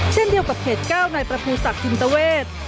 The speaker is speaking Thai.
เช่นเดียวกับเขต๙นายประภูศักดิ์อินตเวท